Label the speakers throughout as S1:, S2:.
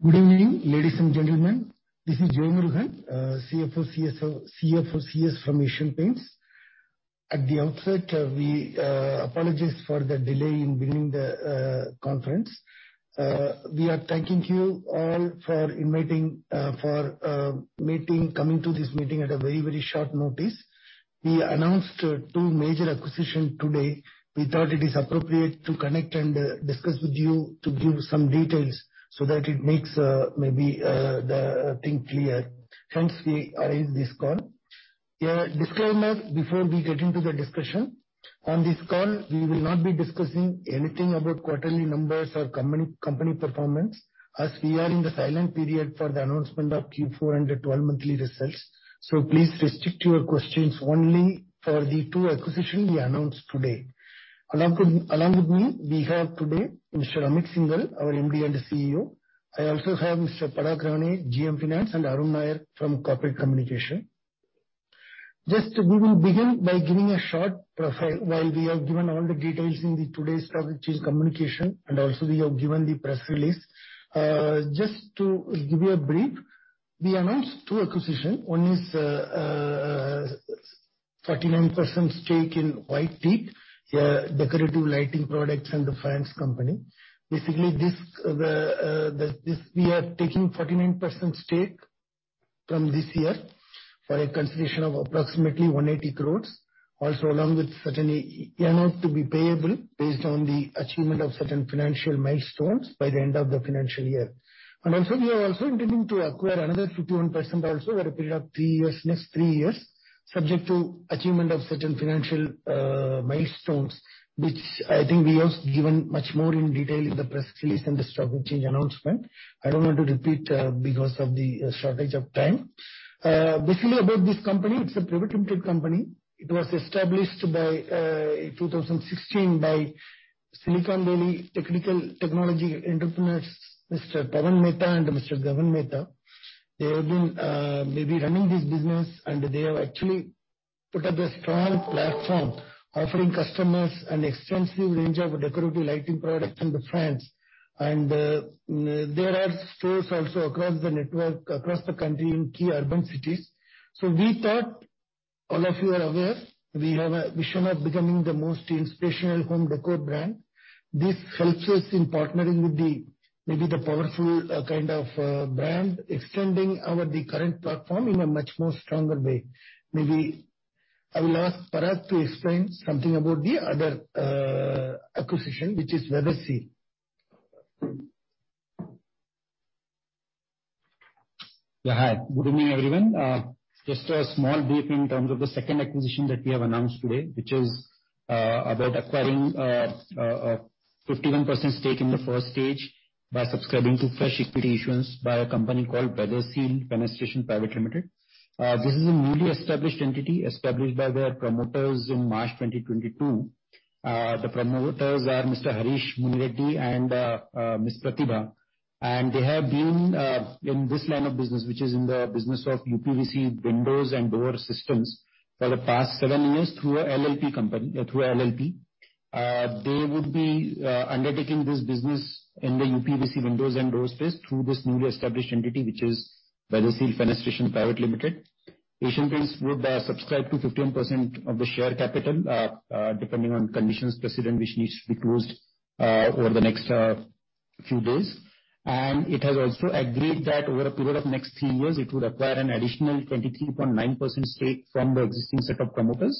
S1: Good evening, ladies and gentlemen. This is R.J. Jeyamurugan, CFO & CS from Asian Paints. At the outset, we apologize for the delay in beginning the conference. We are thanking you all for coming to this meeting at a very short notice. We announced two major acquisition today. We thought it is appropriate to connect and discuss with you to give some details so that it makes maybe the thing clear. Hence, we arranged this call. A disclaimer before we get into the discussion. On this call, we will not be discussing anything about quarterly numbers or company performance, as we are in the silent period for the announcement of Q4 and the twelve-monthly results. Please restrict your questions only for the two acquisition we announced today. Along with me, we have today Mr. Amit Syngle, our MD and CEO. I also have Mr. Parag Rane, GM Finance, and Arun Nair from Corporate Communications. We will begin by giving a short profile. While we have given all the details in today's public domain communication, and also we have given the press release. Just to give you a brief, we announced two acquisition. One is 49% stake in White Teak, a decorative lighting products and furnishings company. Basically, we are taking 49% stake from this year for a consideration of approximately 180 crores. Along with a certain amount to be payable based on the achievement of certain financial milestones by the end of the financial year. We are intending to acquire another 51% over a period of three years, next three years, subject to achievement of certain financial milestones, which I think we have given much more in detail in the press release and the stock exchange announcement. I don't want to repeat because of the shortage of time. Basically about this company, it's a private limited company. It was established in 2016 by Silicon Valley tech entrepreneurs, Mr. Pawan Mehta and Mr. Gagan Mehta. They have been maybe running this business, and they have actually put up a strong platform offering customers an extensive range of decorative lighting products and the brands. There are stores also across the network, across the country in key urban cities. We thought all of you are aware, we have a vision of becoming the most inspirational home decor brand. This helps us in partnering with the, maybe the powerful, kind of, brand, extending our, the current platform in a much more stronger way. Maybe I will ask Parag to explain something about the other, acquisition, which is Weatherseal.
S2: Yeah. Good evening, everyone. Just a small brief in terms of the second acquisition that we have announced today, which is about acquiring a 51% stake in the first stage by subscribing to fresh equity issuance by a company called Weatherseal Fenestration Private Limited. This is a newly established entity established by their promoters in March 2022. The promoters are Mr. Harish Munireddy and Miss Pratibha. They have been in this line of business, which is in the business of UPVC windows and door systems for the past seven years through a LLP company, through LLP. They would be undertaking this business in the UPVC windows and doors space through this newly established entity, which is Weatherseal Fenestration Private Limited. Asian Paints would subscribe to 15% of the share capital, depending on conditions precedent, which needs to be closed over the next few days. It has also agreed that over a period of next three years, it would acquire an additional 23.9% stake from the existing set of promoters.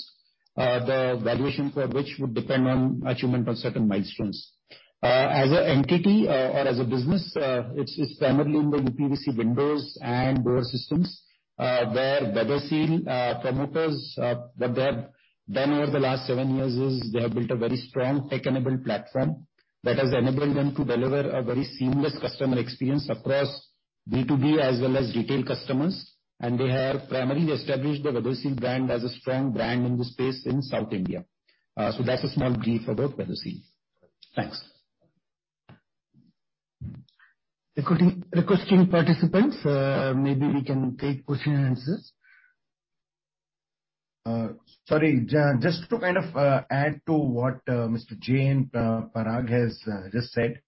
S2: The valuation for which would depend on achievement of certain milestones. As an entity or as a business, it's primarily in the UPVC windows and door systems. Where Weatherseal promoters what they have done over the last seven years is they have built a very strong tech-enabled platform that has enabled them to deliver a very seamless customer experience across B2B as well as retail customers. They have primarily established the Weatherseal brand as a strong brand in this space in South India. That's a small brief about Weatherseal. Thanks.
S1: Requesting participants, maybe we can take question and answers.
S3: Sorry, just to kind of add to what Mr. Jai and Parag has just said.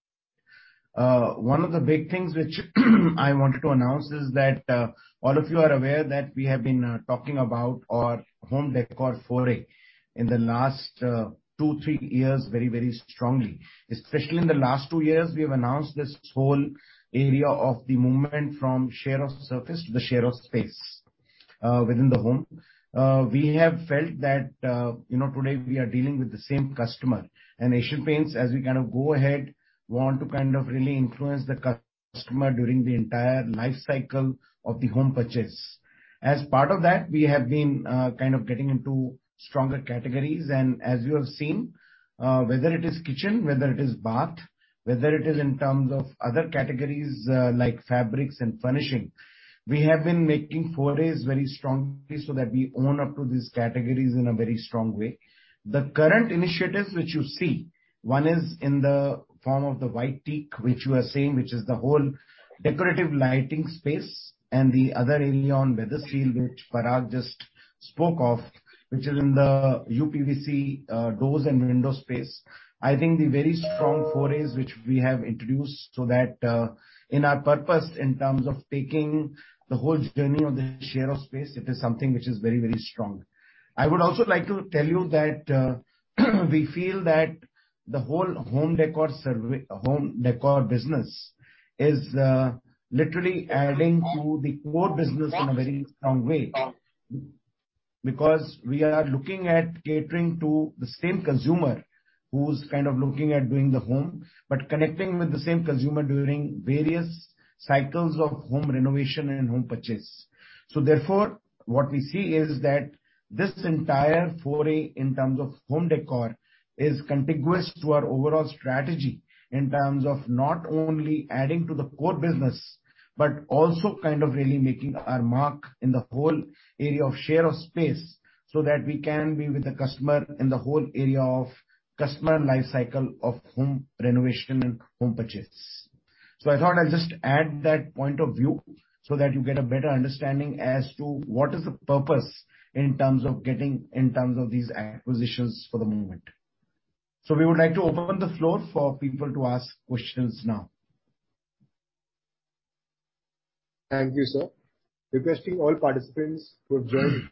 S3: One of the big things which I wanted to announce is that all of you are aware that we have been talking about our home decor foray in the last two to three years very, very strongly. Especially in the last two years, we have announced this whole area of the movement from share of surface to the share of space within the home. We have felt that, you know, today we are dealing with the same customer. Asian Paints, as we kind of go ahead, want to kind of really influence the customer during the entire life cycle of the home purchase. As part of that, we have been kind of getting into stronger categories. As you have seen, whether it is kitchen, whether it is bath, whether it is in terms of other categories, like fabrics and furnishing, we have been making forays very strongly so that we own up to these categories in a very strong way. The current initiatives which you see. One is in the form of the White Teak, which you are seeing, which is the whole decorative lighting space. The other area on Weatherseal, which Parag just spoke of, which is in the uPVC doors and windows space. I think the very strong forays which we have introduced, so that, in our purpose in terms of taking the whole journey of the share of space, it is something which is very, very strong. I would also like to tell you that we feel that the whole home decor business is literally adding to the core business in a very strong way. Because we are looking at catering to the same consumer who's kind of looking at doing the home, but connecting with the same consumer during various cycles of home renovation and home purchase. Therefore, what we see is that this entire foray in terms of home decor is contiguous to our overall strategy in terms of not only adding to the core business, but also kind of really making our mark in the whole area of share of space, so that we can be with the customer in the whole area of customer life cycle of home renovation and home purchase. I thought I'll just add that point of view so that you get a better understanding as to what is the purpose in terms of these acquisitions for the moment. We would like to open the floor for people to ask questions now.
S1: Thank you, sir. Requesting all participants who have joined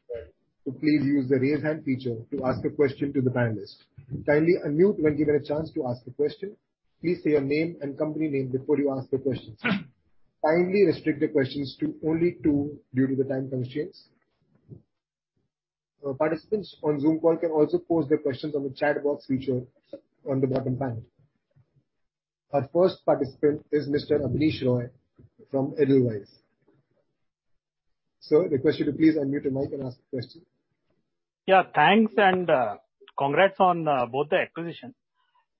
S1: to please use the Raise Hand feature to ask a question to the panelist. Kindly unmute when given a chance to ask a question. Please say your name and company name before you ask the questions. Kindly restrict the questions to only two due to the time constraints. Participants on Zoom call can also pose their questions on the chat box feature on the bottom panel. Our first participant is Mr. Abneesh Roy from Edelweiss. Sir, request you to please unmute your mic and ask the question.
S4: Yeah. Thanks and congrats on both the acquisition.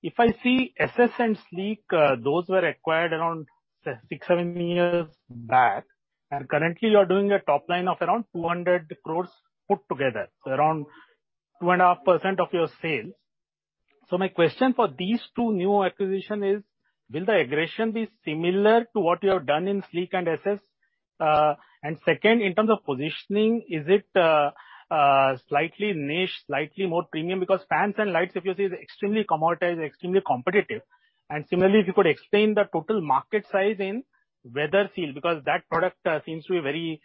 S4: If I see Ess Ess and Sleek, those were acquired around six, seven years back, and currently you are doing a top line of around 200 crore put together, so around 2.5% of your sales. My question for these two new acquisition is, will the integration be similar to what you have done in Sleek and Ess Ess? Second, in terms of positioning, is it slightly niche, slightly more premium? Because fans and lights, if you see, is extremely commoditized and extremely competitive. Similarly, if you could explain the total market size in Weatherseal, because that product seems to be very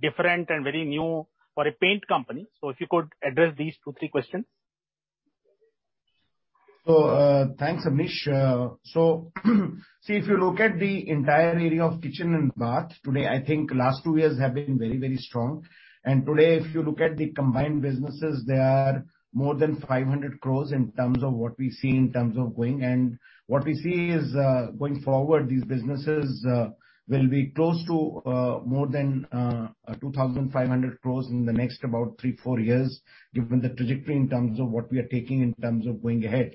S4: different and very new for a paint company. If you could address these two, three questions.
S3: Thanks, Abneesh. See, if you look at the entire area of kitchen and bath today, I think last two years have been very, very strong. Today, if you look at the combined businesses, they are more than 500 crores in terms of what we see in terms of going. What we see is, going forward, these businesses will be close to more than 2,500 crores in the next about three, four years, given the trajectory in terms of what we are taking in terms of going ahead.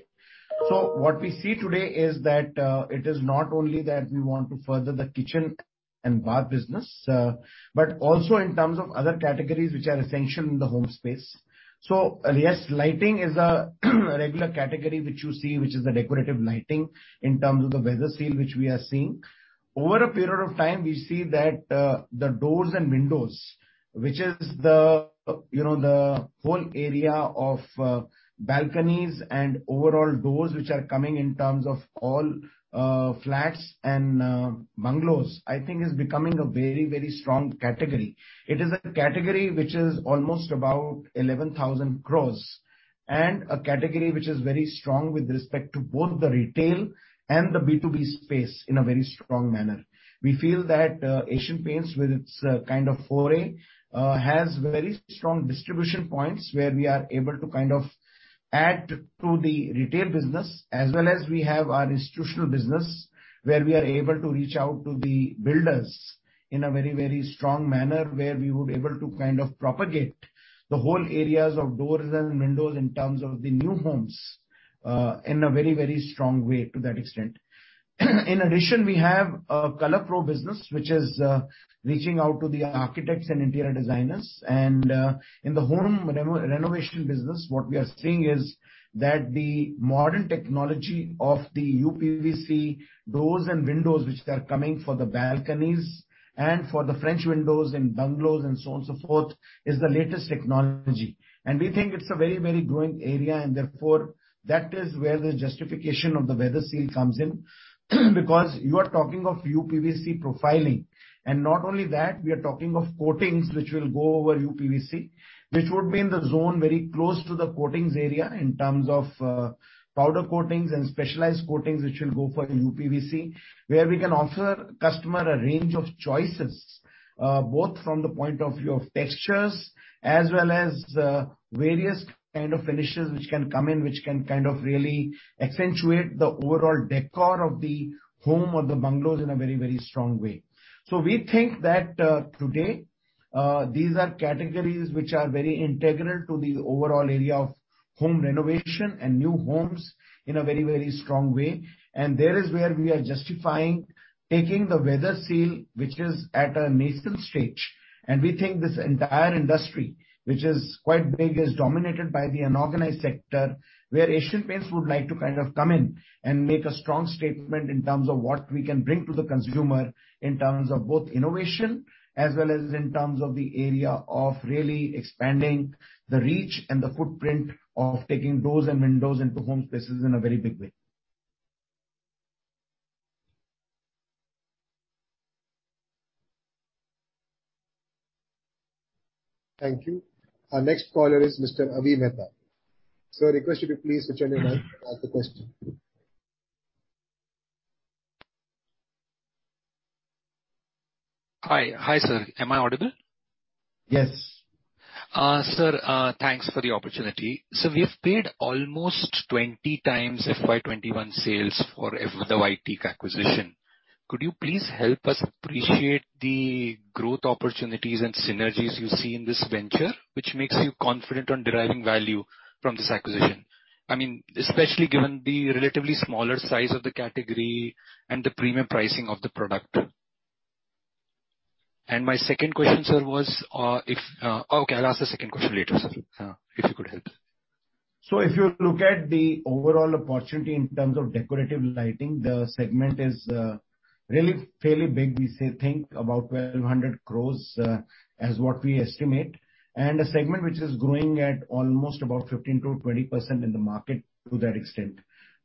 S3: What we see today is that it is not only that we want to further the kitchen and bath business, but also in terms of other categories which are essential in the home space. Yes, lighting is a regular category which you see, which is the decorative lighting in terms of the Weatherseal, which we are seeing. Over a period of time, we see that, the doors and windows, which is the, you know, the whole area of, balconies and overall doors which are coming in terms of all, flats and, bungalows, I think is becoming a very, very strong category. It is a category which is almost about 11,000 crore, and a category which is very strong with respect to both the retail and the B2B space in a very strong manner. We feel that Asian Paints with its kind of foray has very strong distribution points where we are able to kind of add to the retail business, as well as we have our institutional business, where we are able to reach out to the builders in a very, very strong manner, where we would be able to kind of propagate the whole areas of doors and windows in terms of the new homes in a very, very strong way to that extent. In addition, we have a ColourPro business which is reaching out to the architects and interior designers. In the home renovation business, what we are seeing is that the modern technology of the uPVC doors and windows which they are coming for the balconies and for the French windows and bungalows and so on, so forth, is the latest technology. We think it's a very, very growing area and therefore that is where the justification of the Weatherseal comes in. Because you are talking of uPVC profiling, and not only that, we are talking of coatings which will go over uPVC, which would be in the zone very close to the coatings area in terms of powder coatings and specialized coatings which will go for uPVC, where we can offer customer a range of choices both from the point of view of textures as well as various kind of finishes which can come in, which can kind of really accentuate the overall décor of the home or the bungalows in a very, very strong way. We think that these are categories which are very integral to the overall area of home renovation and new homes in a very, very strong way. There is where we are justifying taking the Weatherseal, which is at a nascent stage. We think this entire industry, which is quite big, is dominated by the unorganized sector, where Asian Paints would like to kind of come in and make a strong statement in terms of what we can bring to the consumer in terms of both innovation as well as in terms of the area of really expanding the reach and the footprint of taking doors and windows into home spaces in a very big way.
S5: Thank you. Our next caller is Mr. Avi Mehta. Sir, I request you to please switch on your mic to ask a question.
S6: Hi. Hi, sir. Am I audible?
S1: Yes.
S6: Sir, thanks for the opportunity. Sir, we have paid almost 20x FY 2021 sales for the White Teak acquisition. Could you please help us appreciate the growth opportunities and synergies you see in this venture, which makes you confident on deriving value from this acquisition? I mean, especially given the relatively smaller size of the category and the premium pricing of the product. My second question, sir, was... Okay, I'll ask the second question later, sir, if you could help.
S3: If you look at the overall opportunity in terms of decorative lighting, the segment is really fairly big. We think about 1,200 crores as what we estimate, and a segment which is growing at almost about 15%-20% in the market to that extent.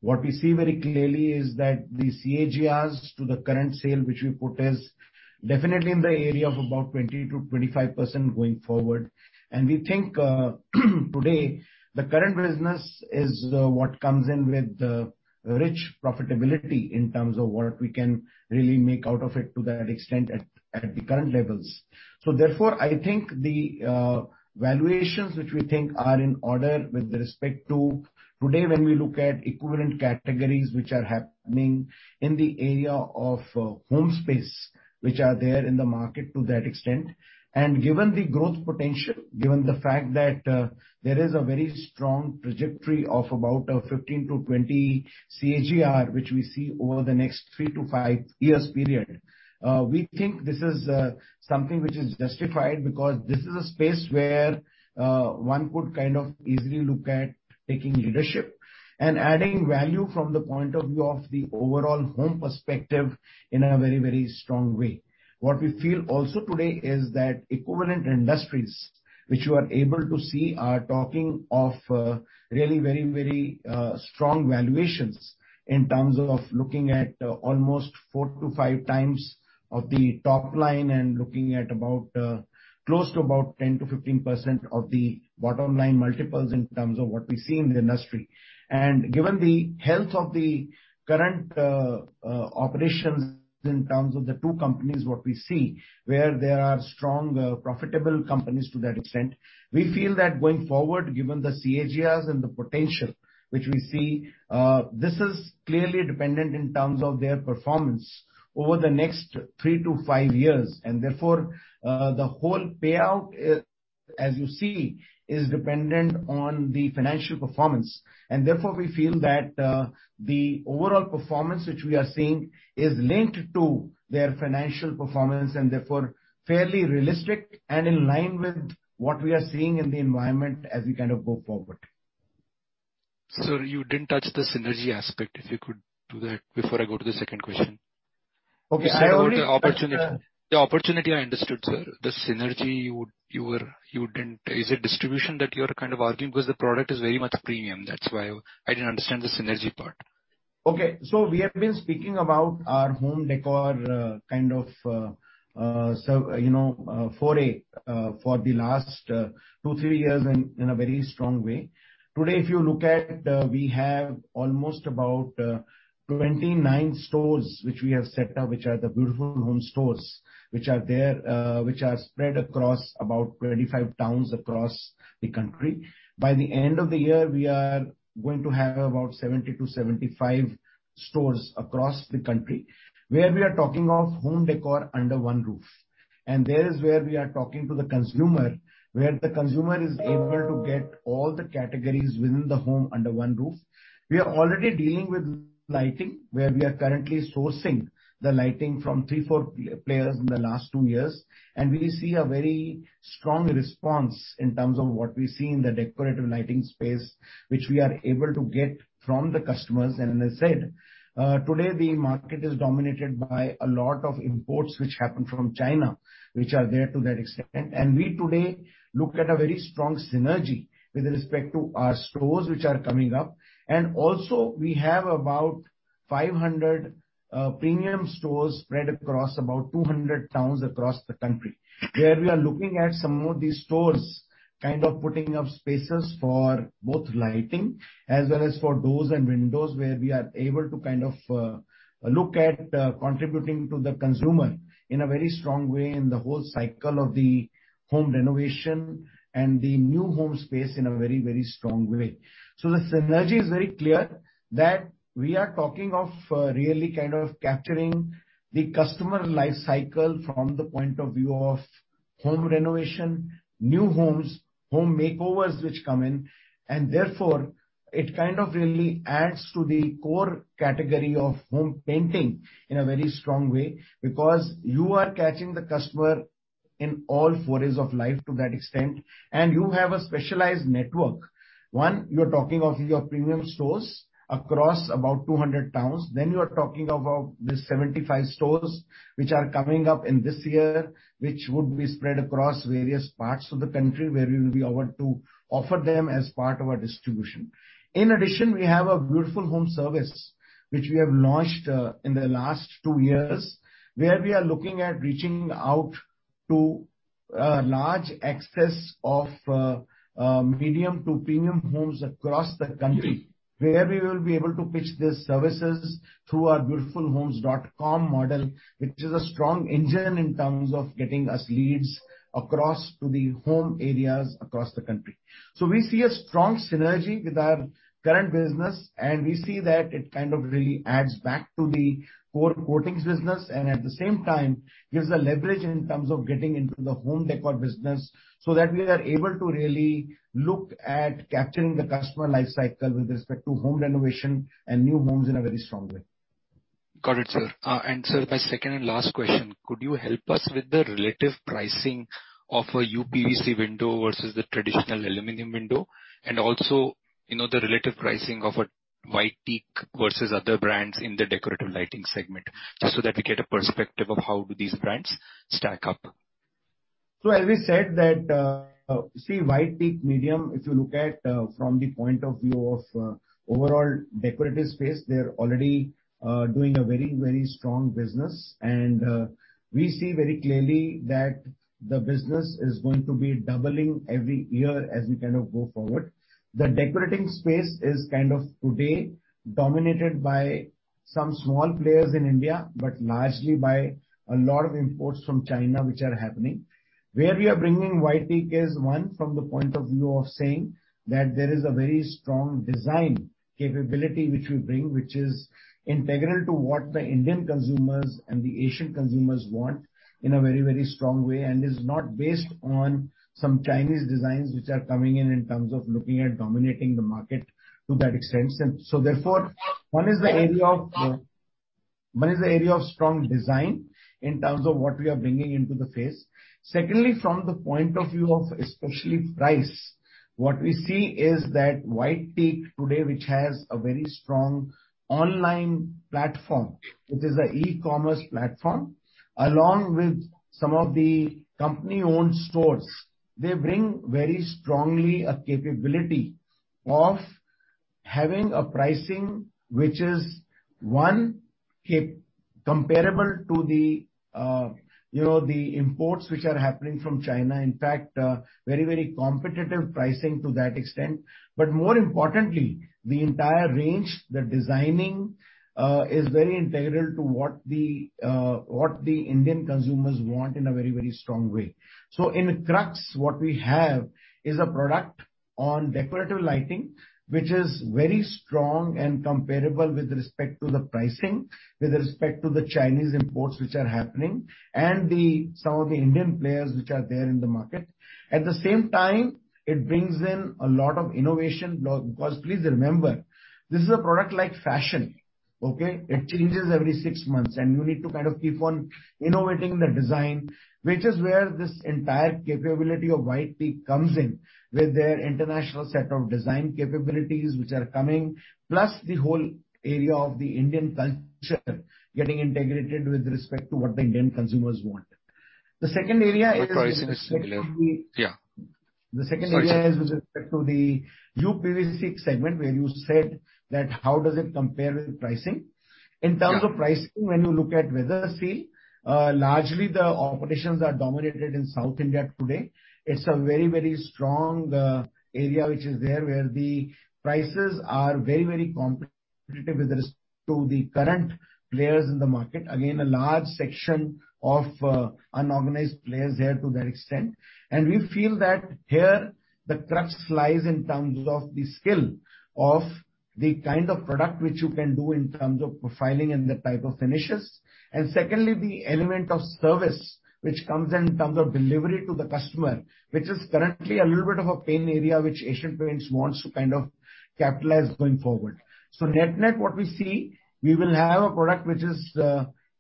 S3: What we see very clearly is that the CAGR to the current sales, which we put as definitely in the area of about 20%-25% going forward. We think today the current business is what comes in with rich profitability in terms of what we can really make out of it to that extent at the current levels. Therefore, I think the valuations which we think are in order with respect to today when we look at equivalent categories which are happening in the area of home space, which are there in the market to that extent. Given the growth potential, given the fact that there is a very strong trajectory of about 15-20 CAGR, which we see over the next three to five years period, we think this is something which is justified because this is a space where one could kind of easily look at taking leadership and adding value from the point of view of the overall home perspective in a very, very strong way. What we feel also today is that equivalent industries which you are able to see are talking of, really very strong valuations in terms of looking at, almost four to five times of the top line and looking at close to 10%-15% of the bottom line multiples in terms of what we see in the industry. Given the health of the current operations in terms of the two companies, what we see, where there are strong profitable companies to that extent, we feel that going forward, given the CAGRs and the potential which we see, this is clearly dependent in terms of their performance over the next three to five years. Therefore, the whole payout, as you see, is dependent on the financial performance, and therefore we feel that the overall performance which we are seeing is linked to their financial performance and therefore fairly realistic and in line with what we are seeing in the environment as we kind of go forward.
S6: Sir, you didn't touch the synergy aspect. If you could do that before I go to the second question.
S3: Okay.
S6: Sir, the opportunity I understood, sir. The synergy... Is it distribution that you're kind of arguing? Because the product is very much premium, that's why I didn't understand the synergy part.
S3: Okay. We have been speaking about our home decor kind of foray for the last two, three years in a very strong way. Today, if you look at, we have almost about 29 stores which we have set up, which are the Beautiful Homes Stores, which are there, which are spread across about 35 towns across the country. By the end of the year, we are going to have about 70-75 stores across the country, where we are talking of home decor under one roof. There is where we are talking to the consumer, where the consumer is able to get all the categories within the home under one roof. We are already dealing with lighting, where we are currently sourcing the lighting from three, four players in the last two years. We see a very strong response in terms of what we see in the decorative lighting space, which we are able to get from the customers. As I said, today the market is dominated by a lot of imports which happen from China, which are there to that extent. We today look at a very strong synergy with respect to our stores which are coming up. We have about 500 premium stores spread across about 200 towns across the country, where we are looking at some of these stores kind of putting up spaces for both lighting as well as for doors and windows, where we are able to kind of look at contributing to the consumer in a very strong way in the whole cycle of the home renovation and the new home space in a very, very strong way. The synergy is very clear that we are talking of really kind of capturing the customer life cycle from the point of view of home renovation, new homes, home makeovers which come in. Therefore, it kind of really adds to the core category of home painting in a very strong way, because you are catching the customer in all phases of life to that extent, and you have a specialized network. One, you're talking of your premium stores across about 200 towns. Then you are talking about the 75 stores which are coming up in this year, which would be spread across various parts of the country, where we will be able to offer them as part of our distribution. In addition, we have a Beautiful Homes Service, which we have launched in the last two years, where we are looking at reaching out to a large cross-section of medium to premium homes across the country, where we will be able to pitch these services through our beautifulhomes.asianpaints.com model, which is a strong engine in terms of getting us leads across to the homeowners across the country. We see a strong synergy with our current business, and we see that it kind of really adds back to the core coatings business, and at the same time gives a leverage in terms of getting into the home decor business, so that we are able to really look at capturing the customer life cycle with respect to home renovation and new homes in a very strong way.
S6: Got it, sir. Sir, my second and last question. Could you help us with the relative pricing of a uPVC window versus the traditional aluminum window? Also, you know, the relative pricing of a White Teak versus other brands in the decorative lighting segment, just so that we get a perspective of how do these brands stack up.
S3: As we said that, see, White Teak medium, if you look at, from the point of view of, overall decorative space, they're already, doing a very, very strong business. We see very clearly that the business is going to be doubling every year as we kind of go forward. The decorating space is kind of today dominated by some small players in India, but largely by a lot of imports from China which are happening. Where we are bringing White Teak is, one, from the point of view of saying that there is a very strong design capability which we bring, which is integral to what the Indian consumers and the Asian consumers want in a very, very strong way, and is not based on some Chinese designs which are coming in terms of looking at dominating the market to that extent. Therefore, one is the area of strong design in terms of what we are bringing into the space. Secondly, from the point of view of especially price, what we see is that White Teak today, which has a very strong online platform, which is an e-commerce platform, along with some of the company-owned stores, they bring very strongly a capability of having a pricing which is, one, comparable to the, you know, the imports which are happening from China. In fact, very, very competitive pricing to that extent. More importantly, the entire range, the designing, is very integral to what the Indian consumers want in a very, very strong way. In a crux, what we have is a product on decorative lighting, which is very strong and comparable with respect to the pricing, with respect to the Chinese imports which are happening, and the, some of the Indian players which are there in the market. At the same time, it brings in a lot of innovation, because please remember, this is a product like fashion, okay? It changes every six months, and you need to kind of keep on innovating the design. Which is where this entire capability of White Teak comes in, with their international set of design capabilities which are coming, plus the whole area of the Indian culture getting integrated with respect to what the Indian consumers want. The second area is-
S6: The pricing is similar. Yeah.
S3: The second area is with respect to the uPVC segment, where you said that how does it compare with pricing.
S6: Yeah.
S3: In terms of pricing, when you look at Weatherseal, largely the operations are dominated in South India today. It's a very, very strong area which is there, where the prices are very, very competitive with respect to the current players in the market. Again, a large section of unorganized players there to that extent. We feel that here the crux lies in terms of the skill of the kind of product which you can do in terms of profiling and the type of finishes. Secondly, the element of service, which comes in in terms of delivery to the customer, which is currently a little bit of a pain area which Asian Paints wants to kind of capitalize going forward. Net-net what we see, we will have a product which is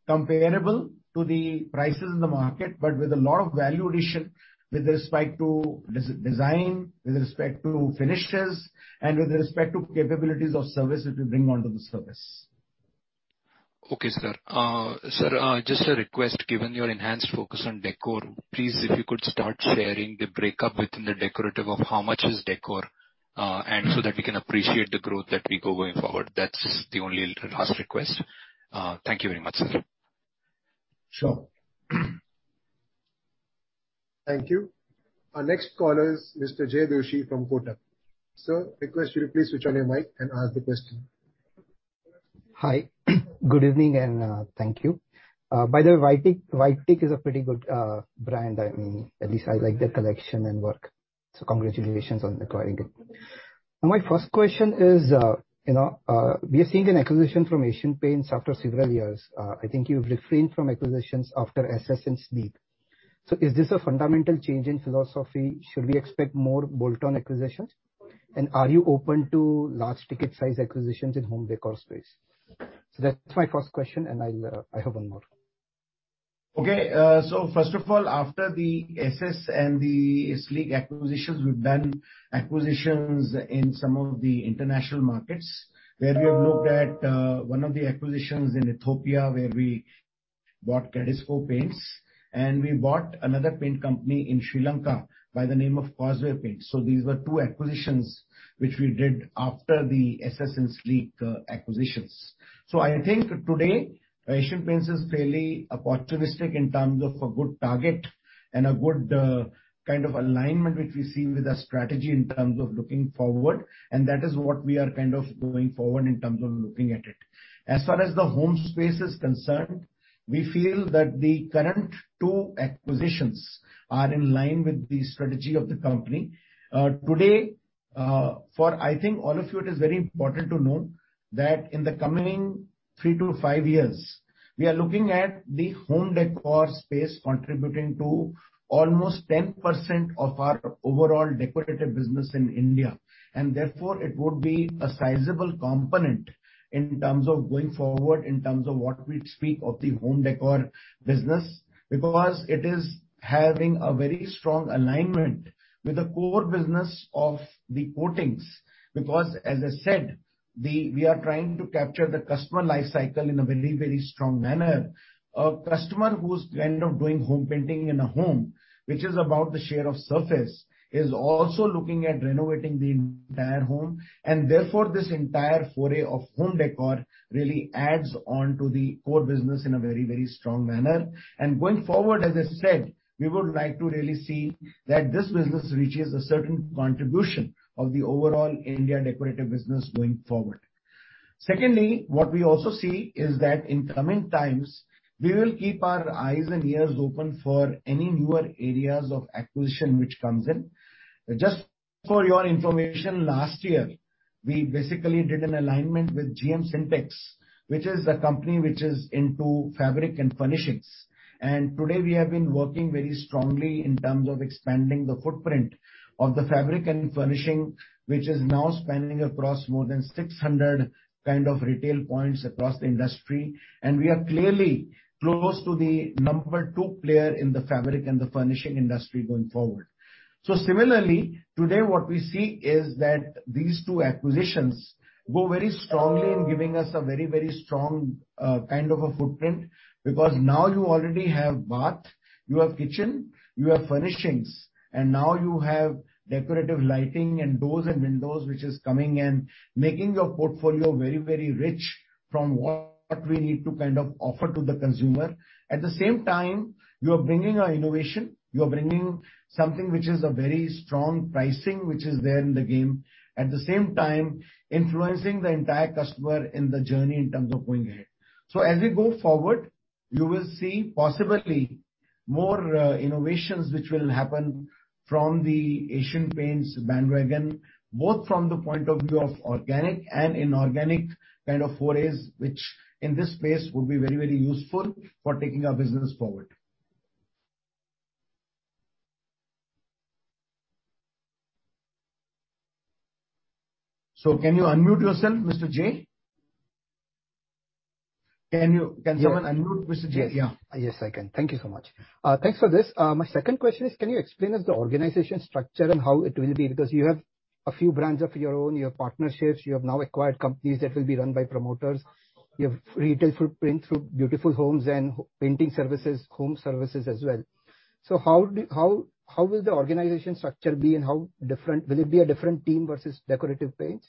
S3: comparable to the prices in the market, but with a lot of value addition with respect to design, with respect to finishes, and with respect to capabilities of service which we bring onto the service.
S6: Okay, sir. Just a request. Given your enhanced focus on decor, please, if you could start sharing the breakup within the decorative of how much is decor, and so that we can appreciate the growth that way forward. That's the only last request. Thank you very much, sir.
S3: Sure.
S5: Thank you. Our next caller is Mr. Jaykumar Doshi from Kotak. Sir, request you to please switch on your mic and ask the question.
S7: Hi. Good evening and thank you. By the way, White Teak is a pretty good brand. I mean, at least I like their collection and work. Congratulations on acquiring it. My first question is, you know, we are seeing an acquisition from Asian Paints after several years. I think you've refrained from acquisitions after Ess Ess and Sleek. Is this a fundamental change in philosophy? Should we expect more bolt-on acquisitions? And are you open to large ticket size acquisitions in home decor space? That's my first question, and I'll have one more.
S3: Okay. First of all, after the Ess Ess and the Sleek acquisitions, we've done acquisitions in some of the international markets.
S7: Mm-hmm.
S3: Where we have looked at one of the acquisitions in Ethiopia, where we bought Kadisco Paints, and we bought another paint company in Sri Lanka by the name of Causeway Paints. These were two acquisitions which we did after the SS and Sleek acquisitions. I think today, Asian Paints is fairly opportunistic in terms of a good target and a good kind of alignment which we see with our strategy in terms of looking forward, and that is what we are kind of doing forward in terms of looking at it. As far as the home space is concerned, we feel that the current two acquisitions are in line with the strategy of the company. Today, for I think all of you it is very important to know that in the coming three to five years, we are looking at the home decor space contributing to almost 10% of our overall decorative business in India. Therefore, it would be a sizable component in terms of going forward, in terms of what we speak of the home decor business, because it is having a very strong alignment with the core business of the coatings. Because as I said, we are trying to capture the customer life cycle in a very, very strong manner. A customer who's kind of doing home painting in a home, which is about the share of surface, is also looking at renovating the entire home. Therefore, this entire foray of home decor really adds on to the core business in a very, very strong manner. Going forward, as I said, we would like to really see that this business reaches a certain contribution of the overall India decorative business going forward. Secondly, what we also see is that in coming times, we will keep our eyes and ears open for any newer areas of acquisition which comes in. Just for your information, last year we basically did an alignment with GM Syntex, which is a company which is into fabric and furnishings. Today we have been working very strongly in terms of expanding the footprint of the fabric and furnishing, which is now spanning across more than 600 kind of retail points across the industry. We are clearly close to the number two player in the fabric and the furnishing industry going forward. Similarly, today what we see is that these two acquisitions go very strongly in giving us a very, very strong, kind of a footprint. Because now you already have bath, you have kitchen, you have furnishings, and now you have decorative lighting and doors and windows, which is coming and making your portfolio very, very rich from what we need to kind of offer to the consumer. At the same time, you are bringing an innovation, you are bringing something which is a very strong pricing, which is there in the game. At the same time, influencing the entire customer in the journey in terms of going ahead. As we go forward, you will see possibly more innovations which will happen from the Asian Paints bandwagon, both from the point of view of organic and inorganic kind of forays, which in this space will be very, very useful for taking our business forward. Can you unmute yourself, Mr. Jay? Can someone-
S7: Yeah.
S3: Unmute Mr. Jay?
S7: Yes.
S3: Yeah.
S7: Yes, I can. Thank you so much. Thanks for this. My second question is, can you explain us the organization structure and how it will be? Because you have a few brands of your own, you have partnerships, you have now acquired companies that will be run by promoters. You have retail footprint through Beautiful Homes and painting services, home services as well. How will the organization structure be, and how different will it be? Will it be a different team versus decorative paints?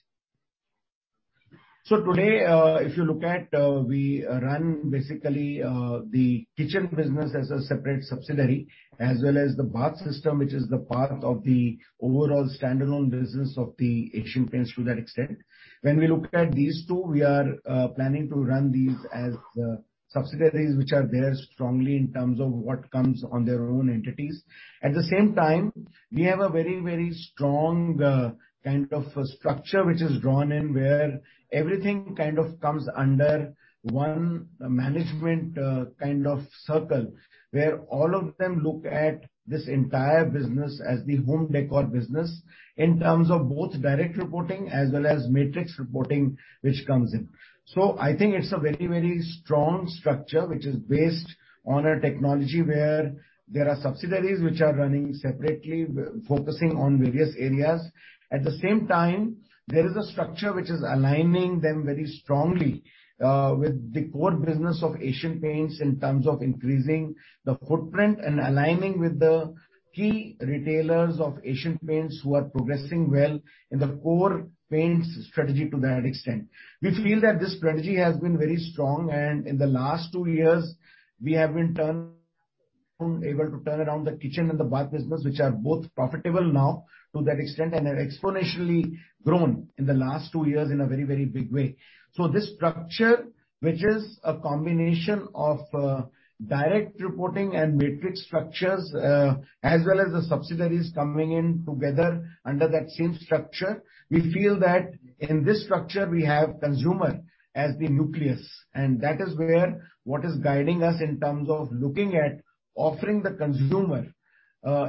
S3: Today, if you look at, we run basically the kitchen business as a separate subsidiary, as well as the bath system, which is the part of the overall standalone business of Asian Paints to that extent. When we look at these two, we are planning to run these as subsidiaries which are there strongly in terms of what comes on their own entities. At the same time, we have a very, very strong kind of a structure which is drawn in, where everything kind of comes under one management kind of circle. Where all of them look at this entire business as the home decor business in terms of both direct reporting as well as matrix reporting which comes in. I think it's a very, very strong structure which is based on a technology where there are subsidiaries which are running separately, focusing on various areas. At the same time, there is a structure which is aligning them very strongly with the core business of Asian Paints in terms of increasing the footprint and aligning with the key retailers of Asian Paints who are progressing well in the core paints strategy to that extent. We feel that this strategy has been very strong, and in the last two years we have, in turn, been able to turn around the kitchen and the bath business, which are both profitable now to that extent, and have exponentially grown in the last two years in a very, very big way. This structure, which is a combination of direct reporting and matrix structures, as well as the subsidiaries coming in together under that same structure, we feel that in this structure we have consumer as the nucleus. That is where what is guiding us in terms of looking at offering the consumer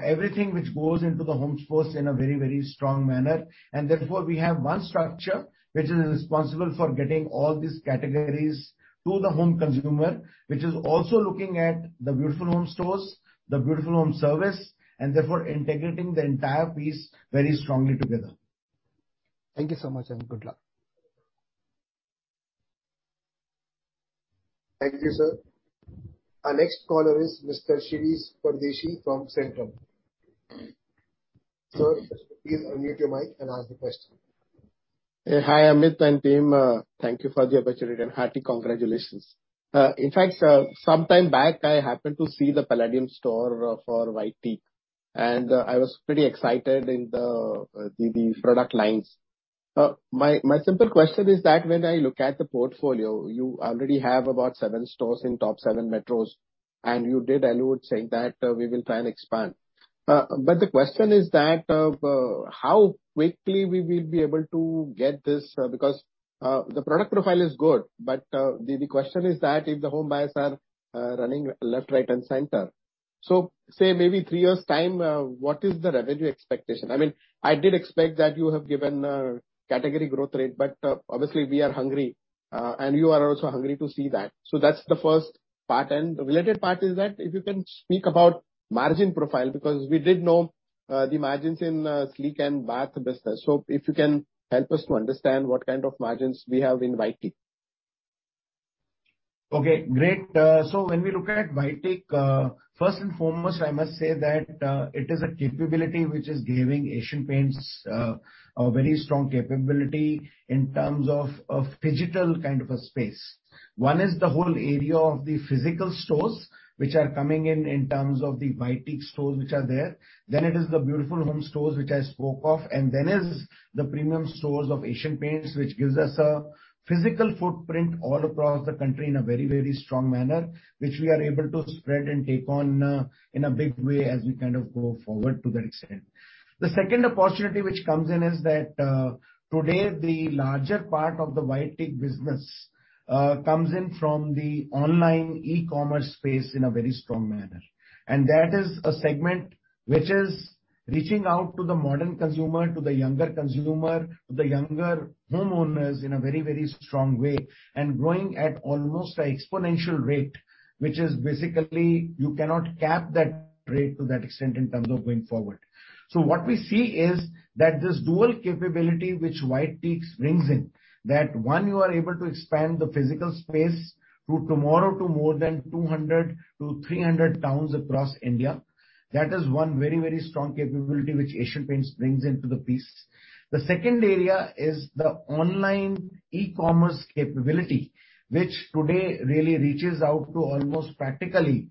S3: everything which goes into the home space in a very, very strong manner. Therefore, we have one structure which is responsible for getting all these categories to the home consumer, which is also looking at the Beautiful Homes Stores, the Beautiful Homes Service, and therefore integrating the entire piece very strongly together.
S7: Thank you so much, and good luck.
S5: Thank you, sir. Our next caller is Mr. Shirish Pardeshi from Centrum. Sir, please unmute your mic and ask the question.
S8: Hi, Amit and team. Thank you for the opportunity and hearty congratulations. In fact, some time back, I happened to see the Palladium store for White Teak, and I was pretty excited in the product lines. My simple question is that when I look at the portfolio, you already have about seven stores in top seven metros, and you did allude saying that we will try and expand. The question is that how quickly we will be able to get this, because the product profile is good, but the question is that if the home buyers are running left, right, and center. Say maybe three years time, what is the revenue expectation? I mean, I did expect that you have given category growth rate, but obviously we are hungry, and you are also hungry to see that. That's the first part. The related part is that if you can speak about margin profile, because we did know the margins in Sleek and Bath business. If you can help us to understand what kind of margins we have in White Teak.
S3: Okay, great. When we look at White Teak, first and foremost, I must say that it is a capability which is giving Asian Paints a very strong capability in terms of digital kind of a space. One is the whole area of the physical stores, which are coming in terms of the White Teak stores which are there. It is the Beautiful Homes stores, which I spoke of. Is the premium stores of Asian Paints, which gives us a physical footprint all across the country in a very, very strong manner, which we are able to spread and take on in a big way as we kind of go forward to that extent. The second opportunity which comes in is that today the larger part of the White Teak business comes in from the online e-commerce space in a very strong manner. That is a segment which is reaching out to the modern consumer, to the younger consumer, to the younger homeowners in a very, very strong way, and growing at almost an exponential rate, which is basically you cannot cap that rate to that extent in terms of going forward. What we see is that this dual capability which White Teak brings in, that one, you are able to expand the physical space to tomorrow to more than 200-300 towns across India. That is one very, very strong capability which Asian Paints brings into the mix. The second area is the online e-commerce capability, which today really reaches out to almost practically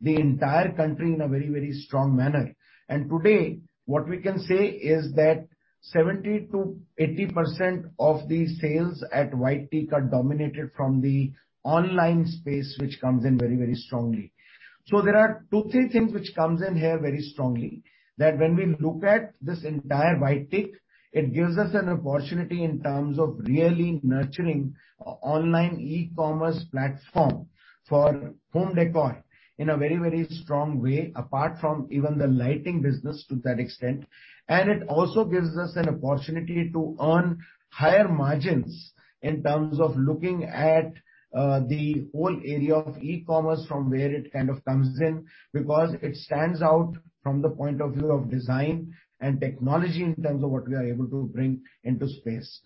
S3: the entire country in a very, very strong manner. Today, what we can say is that 70%-80% of the sales at White Teak are dominated from the online space, which comes in very, very strongly. There are two, three things which comes in here very strongly, that when we look at this entire White Teak, it gives us an opportunity in terms of really nurturing online e-commerce platform for home décor in a very, very strong way, apart from even the lighting business to that extent. It also gives us an opportunity to earn higher margins in terms of looking at the whole area of e-commerce from where it kind of comes in, because it stands out from the point of view of design and technology in terms of what we are able to bring into space.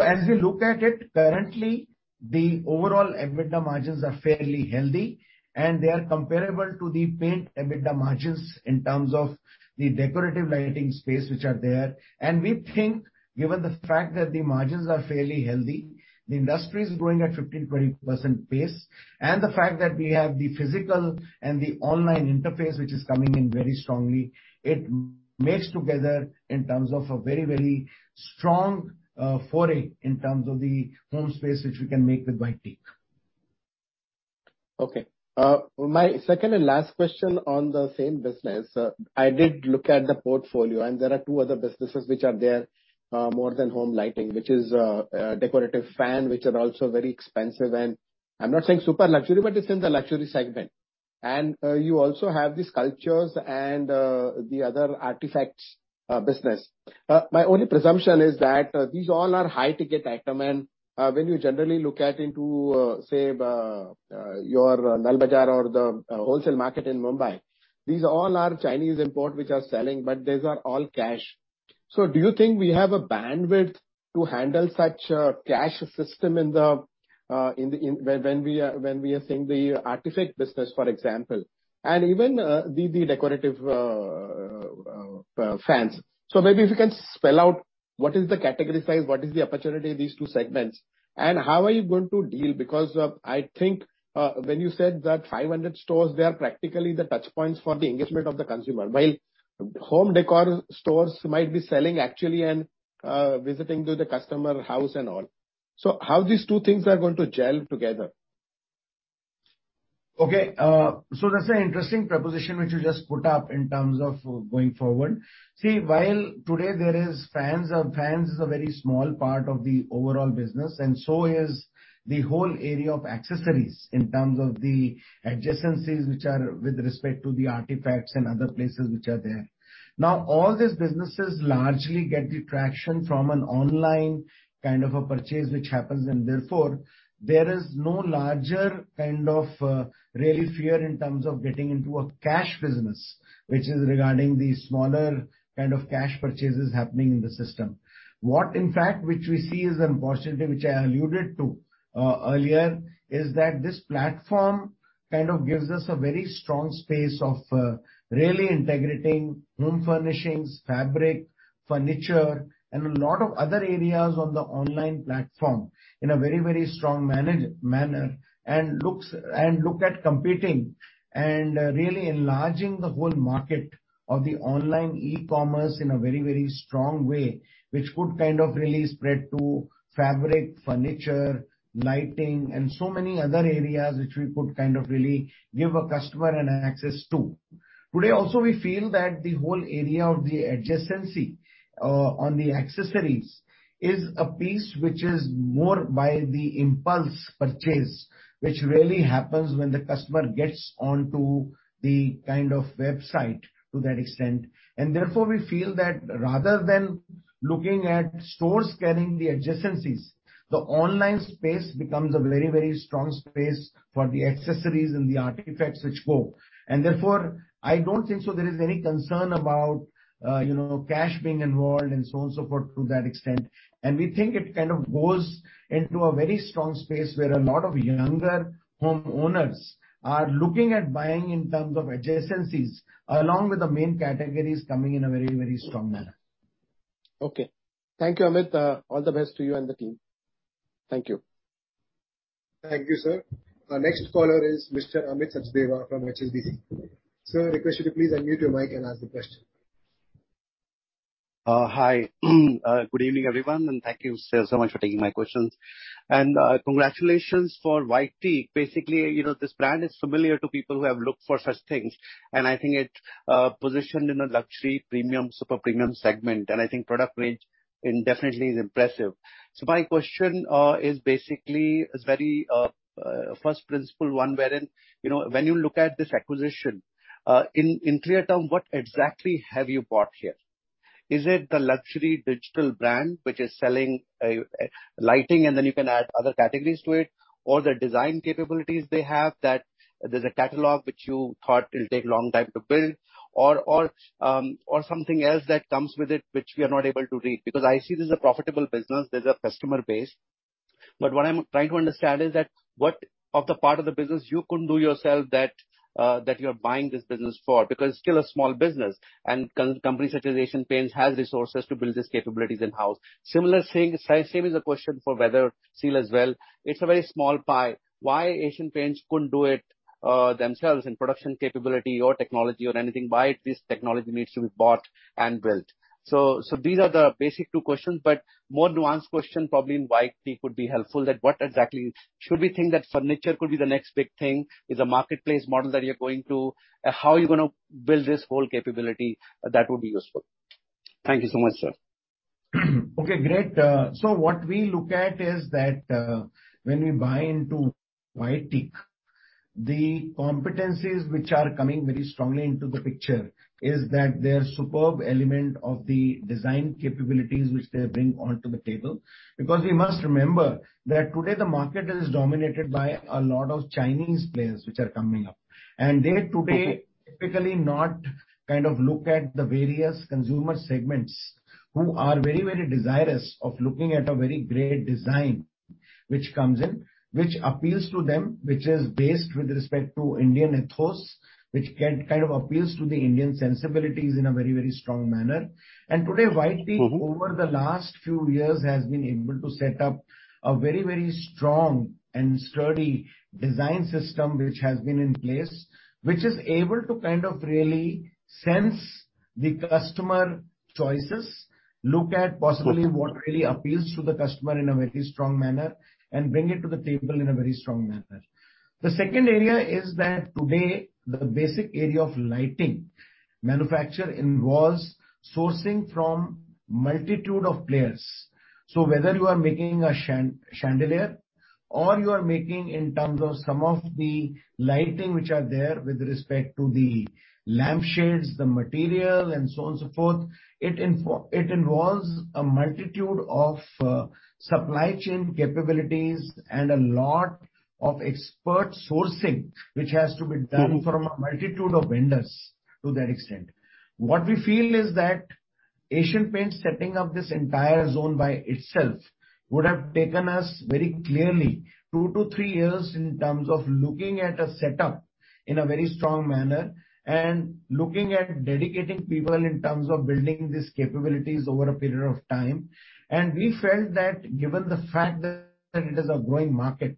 S3: As we look at it, currently, the overall EBITDA margins are fairly healthy, and they are comparable to the paint EBITDA margins in terms of the decorative lighting space which are there. We think given the fact that the margins are fairly healthy, the industry is growing at 15%-20% pace, and the fact that we have the physical and the online interface which is coming in very strongly, it meshed together in terms of a very, very strong foray in terms of the home space which we can make with White Teak.
S8: Okay. My second and last question on the same business. I did look at the portfolio, and there are two other businesses which are there, more than home lighting, which is decorative fan, which are also very expensive. I'm not saying super luxury, but it's in the luxury segment. You also have the sculptures and the other artifacts business. My only presumption is that these all are high-ticket item. When you generally look into your Null Bazaar or the wholesale market in Mumbai, these all are Chinese import which are selling, but these are all cash. Do you think we have a bandwidth to handle such a cash system in the when we are saying the artifact business, for example? Even the decorative fans. Maybe if you can spell out what is the category size, what is the opportunity in these two segments, and how are you going to deal? Because I think when you said that 500 stores, they are practically the touchpoints for the engagement of the consumer. While home decor stores might be selling actually and visiting to the customer house and all. How these two things are going to gel together?
S3: Okay. That's an interesting proposition which you just put up in terms of going forward. See, while today there is fans is a very small part of the overall business, and so is the whole area of accessories in terms of the adjacencies which are with respect to the artifacts and other places which are there. Now, all these businesses largely get the traction from an online kind of a purchase which happens, and therefore, there is no larger kind of, really fear in terms of getting into a cash business, which is regarding the smaller kind of cash purchases happening in the system. What in fact, which we see is a positive, which I alluded to earlier, is that this platform kind of gives us a very strong space of really integrating home furnishings, fabric, furniture, and a lot of other areas on the online platform in a very, very strong manner, and look at competing and really enlarging the whole market of the online e-commerce in a very, very strong way, which could kind of really spread to fabric, furniture, lighting and so many other areas which we could kind of really give a customer an access to. Today, also we feel that the whole area of the adjacency on the accessories is a piece which is more by the impulse purchase, which really happens when the customer gets onto the kind of website to that extent. Therefore, we feel that rather than looking at stores carrying the adjacencies, the online space becomes a very, very strong space for the accessories and the artifacts which go. Therefore, I don't think so there is any concern about, you know, cash being involved and so on and so forth to that extent. We think it kind of goes into a very strong space where a lot of younger homeowners are looking at buying in terms of adjacencies, along with the main categories coming in a very, very strong manner.
S8: Okay. Thank you, Amit. All the best to you and the team. Thank you.
S5: Thank you, sir. Our next caller is Mr. Amit Sachdeva from HSBC. Sir, I request you to please unmute your mic and ask the question.
S9: Hi. Good evening, everyone, and thank you so much for taking my questions. Congratulations for White Teak. Basically, you know, this brand is familiar to people who have looked for such things, and I think it's positioned in a luxury premium, super premium segment. I think product range definitely is impressive. My question is basically a very first principle one, wherein, you know, when you look at this acquisition, in clear terms, what exactly have you bought here? Is it the luxury digital brand which is selling lighting, and then you can add other categories to it? Or the design capabilities they have that there's a catalog which you thought will take long time to build? Or something else that comes with it which we are not able to read? Because I see this is a profitable business. There's a customer base. What I'm trying to understand is that what part of the business you couldn't do yourself that you're buying this business for? Because it's still a small business, and company such as Asian Paints has resources to build these capabilities in-house. Similar thing, same is the question for Weatherseal as well. It's a very small pie. Why Asian Paints couldn't do it themselves in production capability or technology or anything? Why this technology needs to be bought and built? These are the basic two questions, but more nuanced question probably in White Teak would be helpful. What exactly should we think that furniture could be the next big thing? Is a marketplace model that you're going to? How are you gonna build this whole capability? That would be useful. Thank you so much, sir.
S3: Okay, great. What we look at is that, when we buy into White Teak, the competencies which are coming very strongly into the picture is that their superb element of the design capabilities which they bring onto the table. Because we must remember that today the market is dominated by a lot of Chinese players which are coming up. They today typically not kind of look at the various consumer segments who are very, very desirous of looking at a very great design which comes in, which appeals to them, which is based with respect to Indian ethos, kind of appeals to the Indian sensibilities in a very, very strong manner. Today, White Teak
S9: Mm-hmm.
S3: Over the last few years, has been able to set up a very, very strong and sturdy design system which has been in place. Which is able to kind of really sense the customer choices, look at possibly what really appeals to the customer in a very strong manner, and bring it to the table in a very strong manner. The second area is that today, the basic area of lighting manufacture involves sourcing from multitude of players. So whether you are making a chandelier or you are making in terms of some of the lighting which are there with respect to the lampshades, the material and so on and so forth, it involves a multitude of supply chain capabilities and a lot of expert sourcing which has to be done.
S9: Mm-hmm.
S3: from a multitude of vendors to that extent. What we feel is that Asian Paints setting up this entire zone by itself would have taken us very clearly two to three years in terms of looking at a setup in a very strong manner, and looking at dedicating people in terms of building these capabilities over a period of time. We felt that given the fact that it is a growing market,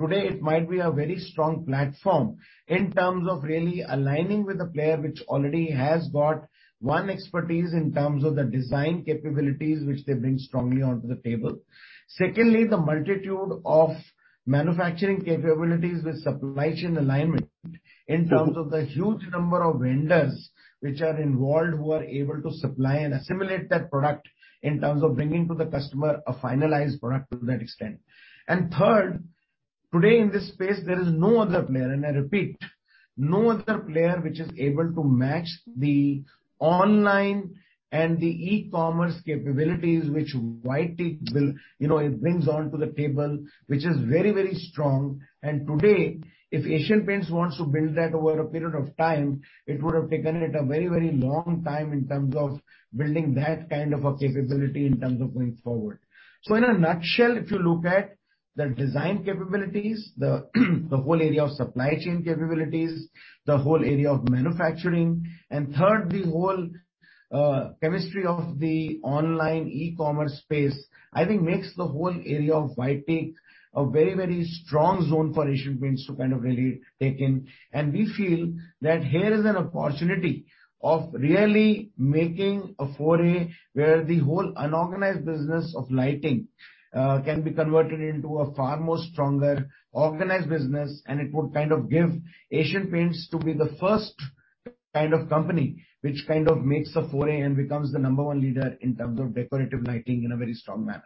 S3: today it might be a very strong platform in terms of really aligning with a player which already has got, one, expertise in terms of the design capabilities which they bring strongly onto the table. Secondly, the multitude of manufacturing capabilities with supply chain alignment in terms of the huge number of vendors which are involved, who are able to supply and assimilate that product in terms of bringing to the customer a finalized product to that extent. Third, today in this space, there is no other player, and I repeat, no other player which is able to match the online and the e-commerce capabilities which White Teak will, you know, it brings onto the table, which is very, very strong. Today, if Asian Paints wants to build that over a period of time, it would have taken it a very, very long time in terms of building that kind of a capability in terms of going forward. In a nutshell, if you look at the design capabilities, the whole area of supply chain capabilities, the whole area of manufacturing, and third, the whole chemistry of the online e-commerce space, I think makes the whole area of White Teak a very, very strong zone for Asian Paints to kind of really take in. We feel that here is an opportunity of really making a foray where the whole unorganized business of lighting can be converted into a far more stronger organized business, and it would kind of give Asian Paints to be the first kind of company which kind of makes a foray and becomes the number one leader in terms of decorative lighting in a very strong manner.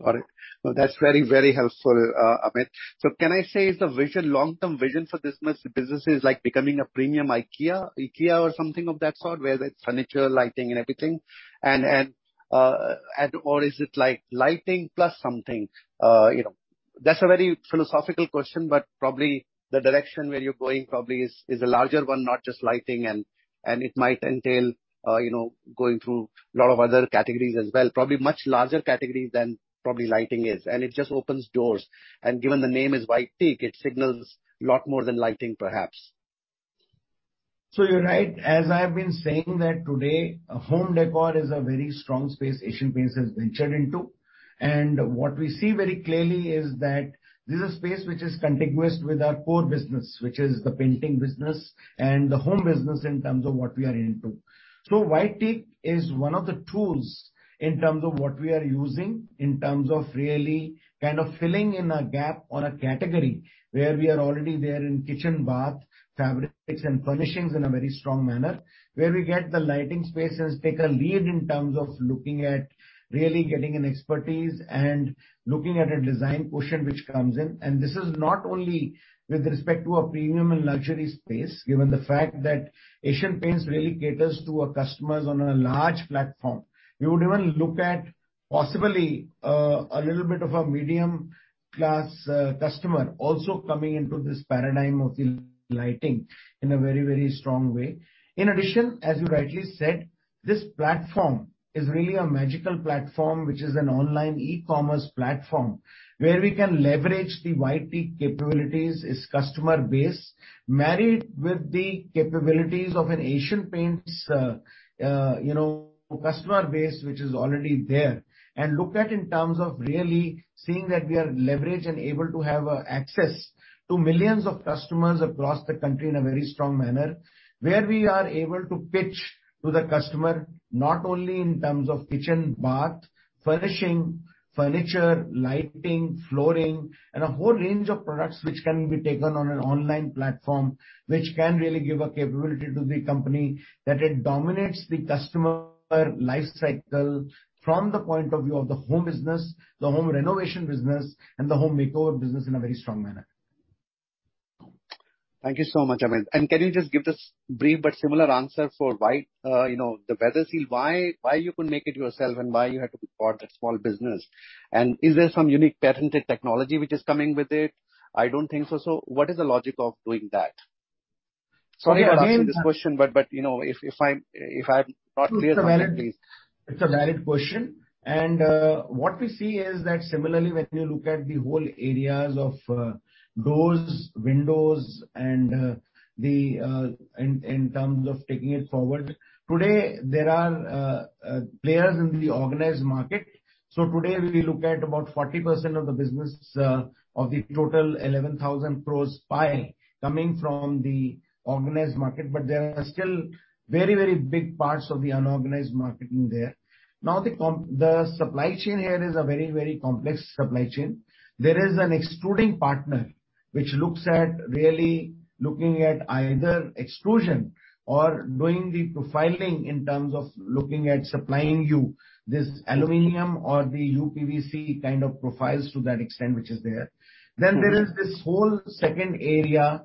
S9: Got it. No, that's very, very helpful, Amit. Can I say, is the vision, long-term vision for this business like becoming a premium IKEA or something of that sort, where it's furniture, lighting and everything? And/or is it like lighting plus something? You know, that's a very philosophical question, but probably the direction where you're going probably is a larger one, not just lighting, and it might entail, you know, going through a lot of other categories as well, probably much larger categories than probably lighting is. It just opens doors. Given the name is White Teak, it signals a lot more than lighting, perhaps.
S3: You're right. As I've been saying that today home decor is a very strong space Asian Paints has ventured into. What we see very clearly is that this is a space which is contiguous with our core business, which is the painting business and the home business in terms of what we are into. White Teak is one of the tools in terms of what we are using, in terms of really kind of filling in a gap on a category where we are already there in kitchen, bath, fabrics and furnishings in a very strong manner, where we get the lighting space and take a lead in terms of looking at really getting an expertise and looking at a design quotient which comes in. This is not only with respect to a premium and luxury space, given the fact that Asian Paints really caters to our customers on a large platform. We would even look at possibly a little bit of a medium class customer also coming into this paradigm of the lighting in a very, very strong way. In addition, as you rightly said, this platform is really a magical platform, which is an online e-commerce platform where we can leverage the White Teak capabilities, its customer base, married with the capabilities of an Asian Paints, you know, customer base, which is already there. Look at in terms of really seeing that we are leveraged and able to have access to millions of customers across the country in a very strong manner, where we are able to pitch to the customer not only in terms of kitchen, bath, furnishing, furniture, lighting, flooring, and a whole range of products which can be taken on an online platform, which can really give a capability to the company that it dominates the customer lifecycle from the point of view of the home business, the home renovation business, and the home makeover business in a very strong manner.
S9: Thank you so much, Amit. Can you just give this brief but similar answer for why, you know, the Weatherseal, why you couldn't make it yourself and why you had to bought that small business? Is there some unique patented technology which is coming with it? I don't think so. What is the logic of doing that? Sorry to ask you this question, but you know, if I'm not clear.
S3: It's a valid question. What we see is that similarly, when you look at the whole areas of doors, windows and in terms of taking it forward, today there are players in the organized market. Today we look at about 40% of the business of the total 11,000 crore pie coming from the organized market. There are still very big parts of the unorganized market in there. Now the supply chain here is a very complex supply chain. There is an extruding partner which looks at either extrusion or doing the profiling in terms of looking at supplying you this aluminum or the uPVC kind of profiles to that extent which is there.
S9: Mm-hmm.
S3: There is this whole second area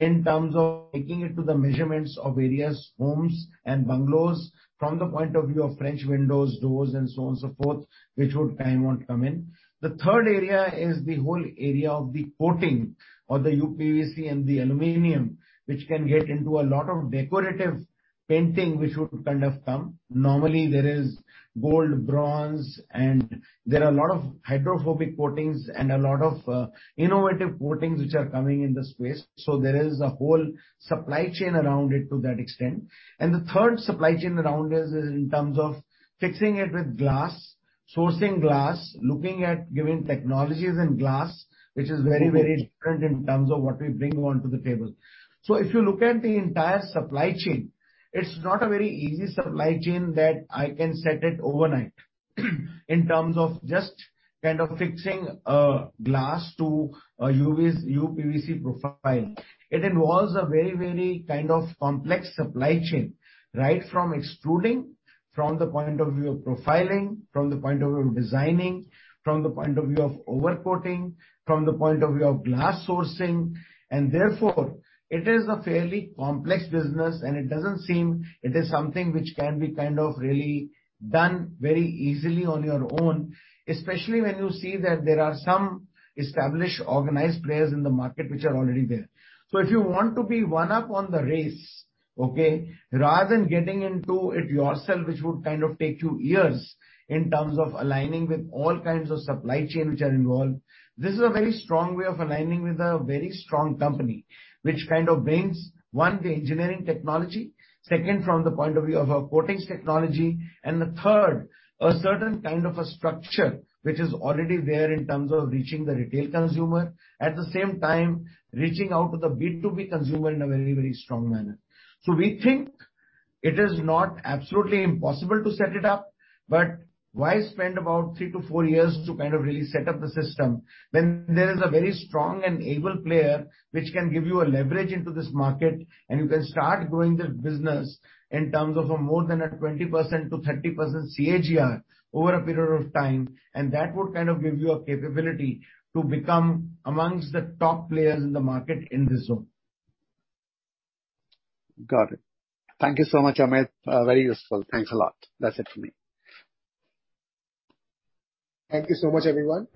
S3: in terms of taking it to the measurements of various homes and bungalows. From the point of view of French windows, doors and so on and so forth, which would tie in or come in. The third area is the whole area of the coating of the uPVC and the aluminum, which can get into a lot of decorative painting which would kind of come in. Normally, there is gold, bronze, and there are a lot of hydrophobic coatings and a lot of innovative coatings which are coming in the space. There is a whole supply chain around it to that extent. The third supply chain around it is in terms of fixing it with glass, sourcing glass, looking at glazing technologies in glass, which is very, very different in terms of what we bring onto the table. If you look at the entire supply chain, it's not a very easy supply chain that I can set it overnight. In terms of just kind of fixing, glass to a uPVC profile. It involves a very, very kind of complex supply chain, right from extruding, from the point of view of profiling, from the point of view of designing, from the point of view of over-coating, from the point of view of glass sourcing. Therefore, it is a fairly complex business, and it doesn't seem it is something which can be kind of really done very easily on your own, especially when you see that there are some established organized players in the market which are already there. If you want to be one up on the race, okay, rather than getting into it yourself, which would kind of take you years in terms of aligning with all kinds of supply chain which are involved, this is a very strong way of aligning with a very strong company, which kind of brings, one, the engineering technology, second, from the point of view of our coatings technology, and the third, a certain kind of a structure which is already there in terms of reaching the retail consumer, at the same time reaching out to the B2B consumer in a very, very strong manner. We think it is not absolutely impossible to set it up, but why spend about three to four years to kind of really set up the system when there is a very strong and able player which can give you a leverage into this market, and you can start growing the business in terms of more than a 20%-30% CAGR over a period of time, and that would kind of give you a capability to become amongst the top players in the market in this zone.
S9: Got it. Thank you so much, Amit. Very useful. Thanks a lot. That's it for me.
S5: Thank you so much, everyone.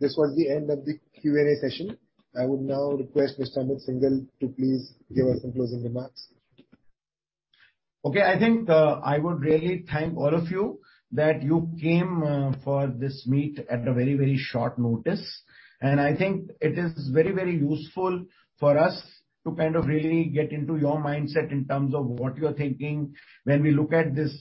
S5: This was the end of the Q&A session. I would now request Mr. Amit Syngle to please give us some closing remarks.
S3: Okay. I think, I would really thank all of you that you came for this meeting at a very, very short notice. I think it is very, very useful for us to kind of really get into your mindset in terms of what you're thinking when we look at this,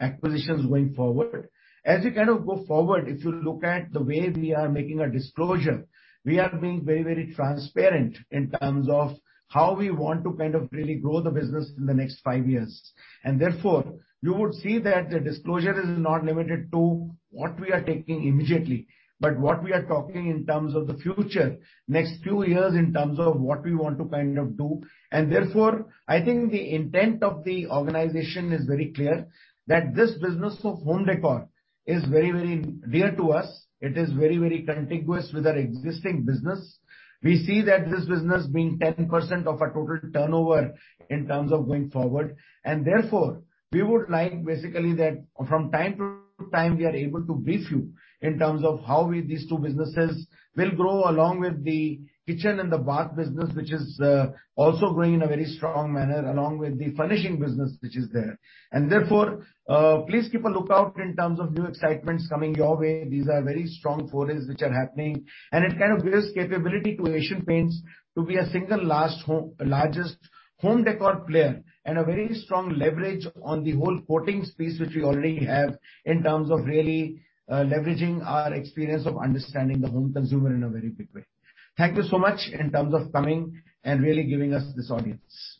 S3: acquisitions going forward. As you kind of go forward, if you look at the way we are making a disclosure, we are being very, very transparent in terms of how we want to kind of really grow the business in the next five years. Therefore, you would see that the disclosure is not limited to what we are taking immediately, but what we are talking in terms of the future, next few years in terms of what we want to kind of do. Therefore, I think the intent of the organization is very clear that this business of home decor is very, very dear to us. It is very, very contiguous with our existing business. We see that this business being 10% of our total turnover in terms of going forward. Therefore, we would like basically that from time to time we are able to brief you in terms of how we these two businesses will grow along with the kitchen and the bath business, which is also growing in a very strong manner, along with the furnishing business, which is there. Therefore, please keep a lookout in terms of new excitements coming your way. These are very strong forays which are happening. It kind of builds capability to Asian Paints to be a largest home decor player and a very strong leverage on the whole coatings space which we already have in terms of really leveraging our experience of understanding the home consumer in a very big way. Thank you so much in terms of coming and really giving us this audience.